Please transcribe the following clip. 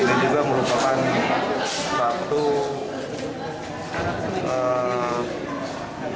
ini juga merupakan satu